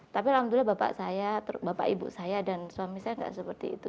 tapi alhamdulillah bapak saya bapak ibu saya dan suami saya tidak seperti itu